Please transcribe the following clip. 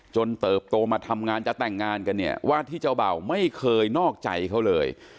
เติบโตมาทำงานจะแต่งงานกันเนี่ยว่าที่เจ้าเบ่าไม่เคยนอกใจเขาเลย